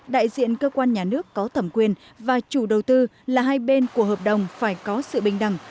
đại diện cơ quan nhà nước có thẩm quyền và chủ đầu tư là hai bên của hợp đồng phải có sự bình đẳng